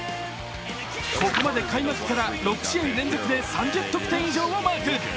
ここまで開幕から６試合連続で３０得点以上をマーク。